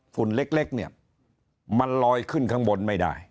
ฝุ่นเล็กเล็กเนี่ยมันลอยขึ้นข้างบนไม่ได้